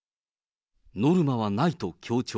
ノルマはないと強調。